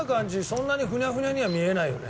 そんなにふにゃふにゃには見えないよね。